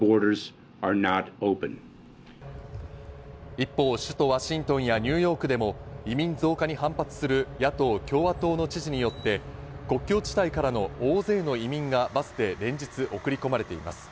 一方、首都ワシントンやニューヨークでも移民増加に反発する野党・共和党の知事によって、国境地帯からの大勢の移民がバスで連日、送り込まれています。